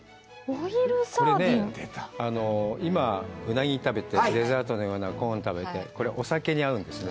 これね今うなぎ食べてデザートのようなコーン食べてこれお酒に合うんですね